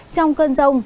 trong cơn rông